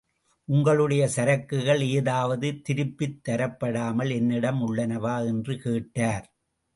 உங்களுடைய சரக்குகள் ஏதாவது திருப்பித் தரப்படாமல் என்னிடம் உள்ளனவா? என்று கேட்டார்.